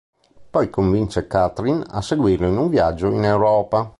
Poi convince Catherine a seguirlo in un viaggio in Europa.